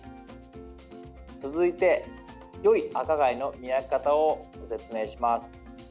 続いて、よい赤貝の見分け方をご説明します。